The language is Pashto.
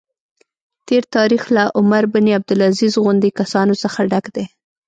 تېر تاریخ له عمر بن عبدالعزیز غوندې کسانو څخه ډک دی.